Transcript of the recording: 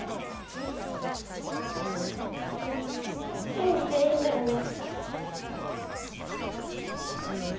信じていいんだよね？